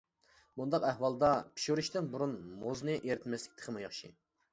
بۇنداق ئەھۋالدا پىشۇرۇشتىن بۇرۇن مۇزنى ئېرىتمەسلىك تېخىمۇ ياخشى.